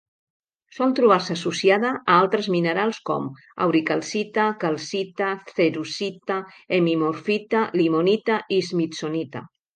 Sol trobar-se associada a altres minerals com: auricalcita, calcita, cerussita, hemimorfita, limonita i smithsonita.